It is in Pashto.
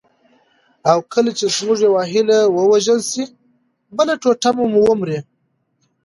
او کله چي زموږ یوه هیله ووژل سي، بله ټوټه مو ومري.